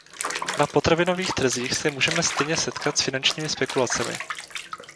Na potravinových trzích se můžeme stejně setkat s finančními spekulacemi.